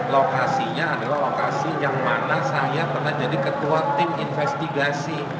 lokasinya adalah lokasi yang mana saya pernah jadi ketua tim investigasi